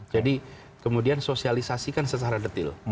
jadi kemudian sosialisasikan secara detil